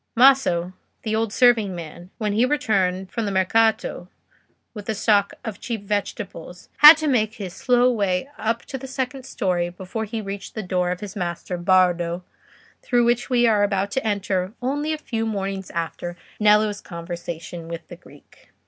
Maso, the old serving man, when he returned from the Mercato with the stock of cheap vegetables, had to make his slow way up to the second storey before he reached the door of his master, Bardo, through which we are about to enter only a few mornings after Nello's conversation with the Greek.